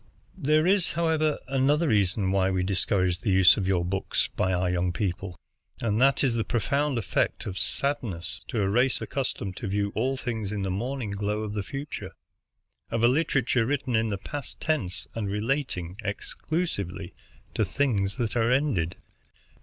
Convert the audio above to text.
"There is, however, another reason why we discourage the use of your books by our young people, and that is the profound effect of sadness, to a race accustomed to view all things in the morning glow of the future, of a literature written in the past tense and relating exclusively to things that are ended."